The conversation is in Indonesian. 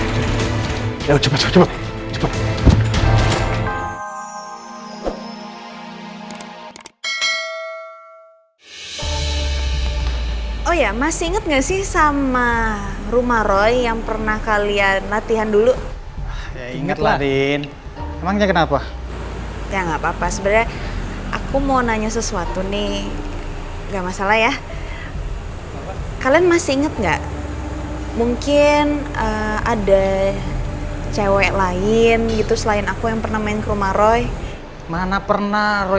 jangan lupa like share dan subscribe channel ini untuk dapat info terbaru